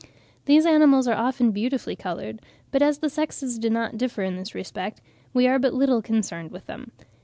These animals are often beautifully coloured, but as the sexes do not differ in this respect, we are but little concerned with them.